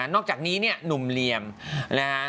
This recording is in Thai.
นอกจากนี้เนี่ยหนุ่มเหลี่ยมนะฮะ